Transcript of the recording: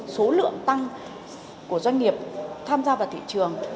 số lượng tăng của doanh nghiệp tham gia vào thị trường